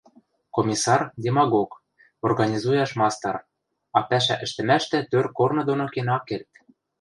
Комиссар — демагог, организуяш мастар, а пӓшӓ ӹштӹмӓштӹ тӧр корны доно кен ак керд.